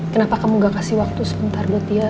kenapa kamu gak kasih waktu sebentar buat dia